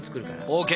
ＯＫ。